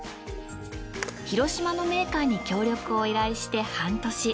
広島のメーカーに協力を依頼して半年。